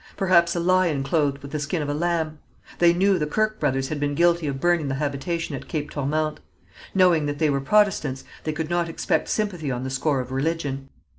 Perhaps a lion clothed with the skin of a lamb! They knew the Kirke brothers had been guilty of burning the habitation at Cape Tourmente. Knowing that they were Protestants, they could not expect sympathy on the score of religion.